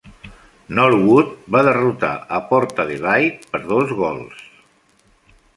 Norwood va derrotar a Port Adelaide per dos gols.